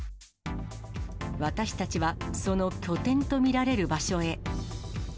私たちは、その拠点と見られる場所へ。